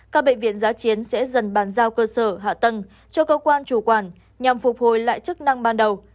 các bệnh viện giá chiến sẽ dần bàn giao cơ sở hạ tầng cho cơ quan chủ quản nhằm phục hồi lại chức năng ban đầu